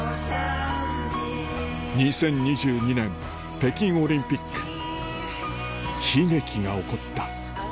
２０２２年北京オリンピック悲劇が起こった